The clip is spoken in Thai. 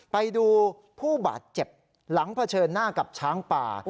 ไปดูผู้บาดเจ็บหลังเผชิญหน้ากับช้างป่า